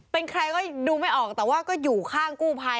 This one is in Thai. เป็นใครก็ดูไม่ออกแต่ว่าก็อยู่ข้างกู้ภัย